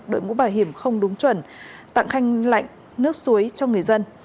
đội mũ bảo hiểm không đúng chuẩn tặng khanh lạnh nước suối cho người dân